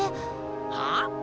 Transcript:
はあ？